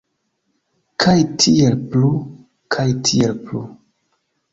Kaj tiel plu, kaj tiel plu.